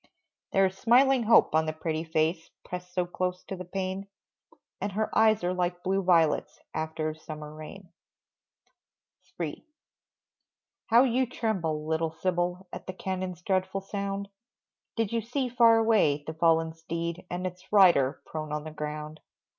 There is smiling hope on the pretty face Pressed so close to the pane, And her eyes are like blue violets After a summer rain. III. How you tremble, little Sybil, At the cannons' dreadful sound, Did you see far away, the fallen steed, And its rider prone on the ground?